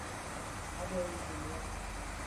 Adwaro wuon wa.